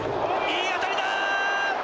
いい当たりだ！